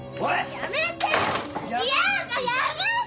やめてよ！